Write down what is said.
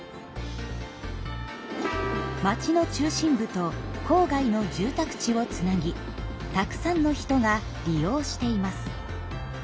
町の中心部と郊外の住宅地をつなぎたくさんの人が利用しています。